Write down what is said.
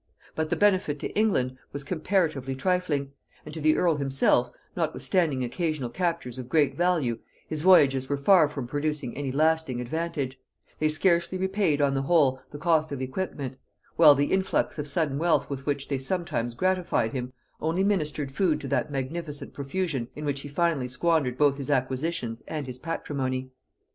But the benefit to England was comparatively trifling; and to the earl himself, notwithstanding occasional captures of great value, his voyages were far from producing any lasting advantage; they scarcely repaid on the whole the cost of equipment; while the influx of sudden wealth with which they sometimes gratified him, only ministered food to that magnificent profusion in which he finally squandered both his acquisitions and his patrimony.